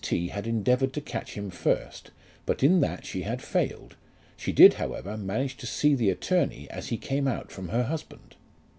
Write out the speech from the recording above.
T. had endeavoured to catch him first, but in that she had failed; she did, however, manage to see the attorney as he came out from her husband.